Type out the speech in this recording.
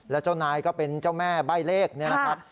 แล้วเจ้านายก็เป็นเจ้าแม่ใบ้เลขนี่แหละครับ